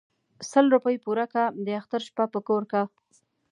ـ سل روپۍ پوره كه داختر شپه په كور كه.